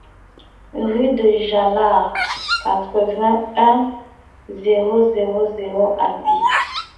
Rue de Jarlard, quatre-vingt-un, zéro zéro zéro Albi